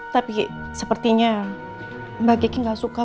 tapi sepertinya mbak kiki gak suka